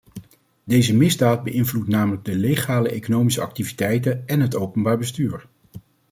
Deze misdaad beïnvloedt namelijk de legale economische activiteiten en het openbaar bestuur.